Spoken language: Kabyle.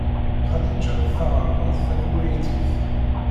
Xadiǧa d taɣermant takuweytit.